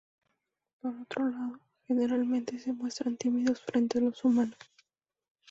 Por otro lado generalmente se muestran tímidos frente a los humanos.